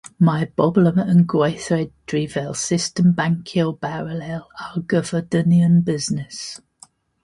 Mae'r bobl yma yn gweithredu fel system bancio baralel ar gyfer dynion busnes.